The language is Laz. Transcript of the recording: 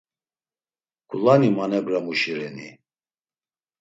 Ǩulani manebramuşi reni?